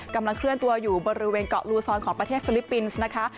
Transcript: กำลังเคลื่อนตัวอยู่บริเวณเกาะลูซอนของประเทศฟิลิปปินส์นะคะ